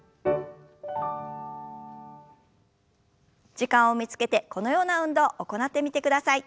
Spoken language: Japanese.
時間を見つけてこのような運動を行ってみてください。